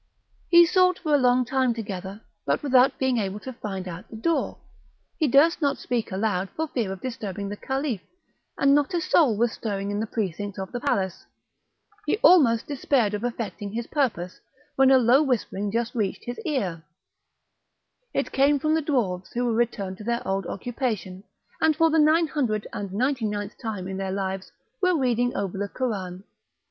He sought for a long time together, but without being able to find out the door; he durst not speak aloud, for fear of disturbing the Caliph, and not a soul was stirring in the precincts of the palace; he almost despaired of effecting his purpose, when a low whispering just reached his ear; it came from the dwarfs who were returned to their old occupation, and for the nine hundred and ninety ninth time in their lives, were reading over the Koran.